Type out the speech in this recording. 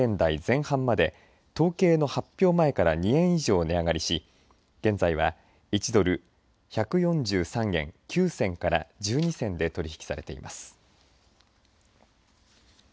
円相場は一時１ドル１４３円台前半まで統計の発表前から２円以上、値上がりし現在は、１ドル１４３円９銭から１２銭で取り引きされています。